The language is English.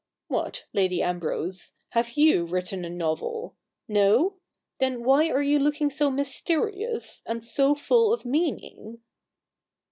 What, Lady Ambrose ! Have you written a novel ? No ? Then why are you looking so mysterious, and so full of meaning